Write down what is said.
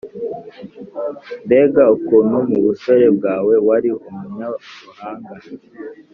Mbega ukuntu mu busore bwawe wari umunyabuhanga,